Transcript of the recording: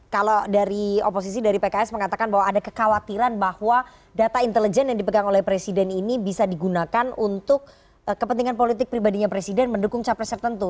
kalau dari oposisi dari pks mengatakan bahwa ada kekhawatiran bahwa data intelijen yang dipegang oleh presiden ini bisa digunakan untuk kepentingan politik pribadinya presiden mendukung capres tertentu